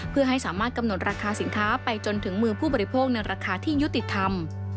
เพื่อให้สามารถกำหนดราคาสินค้าไปจนถึงมือผู้บริโภคในราคาที่ยุติธรรม